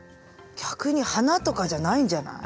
逆に花とかじゃないんじゃない？